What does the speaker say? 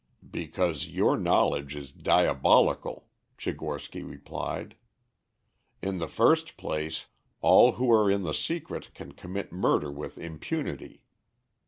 "Because your knowledge is diabolical," Tchigorsky replied. "In the first place, all who are in the secret can commit murder with impunity.